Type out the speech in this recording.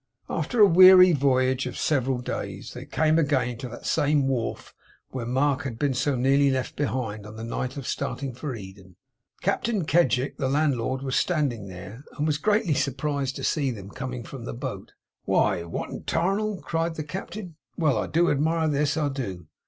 After a weary voyage of several days, they came again to that same wharf where Mark had been so nearly left behind, on the night of starting for Eden. Captain Kedgick, the landlord, was standing there, and was greatly surprised to see them coming from the boat. 'Why, what the 'tarnal!' cried the Captain. 'Well! I do admire at this, I do!